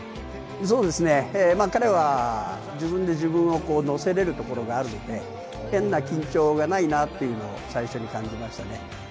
彼は自分で自分をのせられるところがあるので、変な緊張がないなと最初に感じましたね。